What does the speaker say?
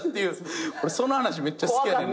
俺その話めっちゃ好きやねん。